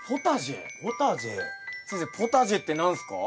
先生ポタジェって何すか？